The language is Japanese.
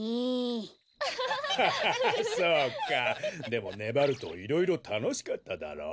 でもねばるといろいろたのしかっただろう？